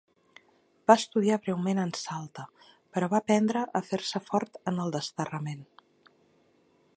Va estudiar breument en Salta però va aprendre a fer-se fort en el desterrament.